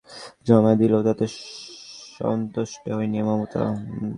শেষ পর্যন্ত রুদ্র কমিশন প্রতিবেদন জমা দিলেও তাতে সন্তুষ্ট হননি মমতা।